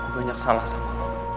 banyak salah sama lo